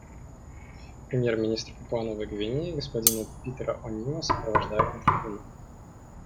Премьер-министра Папуа-Новой Гвинеи господина Питера О'Нила сопровождают на трибуну.